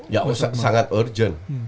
ya sangat urgent